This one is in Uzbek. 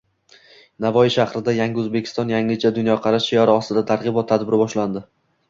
Navoiy shahrida “Yangi O‘zbekiston – yangicha dunyoqarash” shiori ostida targ‘ibot tadbiri boshlandi